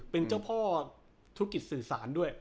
เป็นเจ้าพ่อธุรกิจสื่อสารด้วย